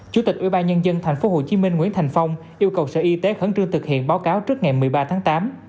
chủ tịch ubnd tp hcm nguyễn thành phong yêu cầu sở y tế khẩn trương thực hiện báo cáo trước ngày một mươi ba tháng tám